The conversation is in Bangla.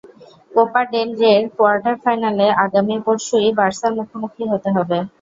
কোপা ডেল রের কোয়ার্টার ফাইনালে আগামী পরশুই বার্সার মুখোমুখি হতে হবে।